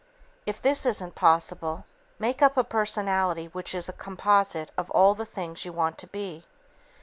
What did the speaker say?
If this isn't possible, make up a personality which is a composite of all the things you want to be.